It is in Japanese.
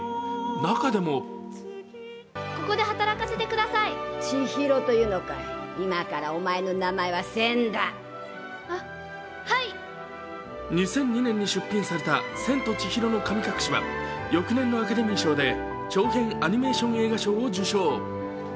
中でも２００２年に出品された「千と千尋の神隠し」は翌年のアカデミー賞で長編アニメーション映画賞を受賞。